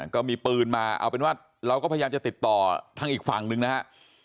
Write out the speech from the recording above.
ก็มีปืนมาเอาเป็นว่าเราก็พยายามจะติดต่อทางอีกฝั่งหนึ่งนะฮะ